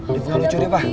nif bangun curi pak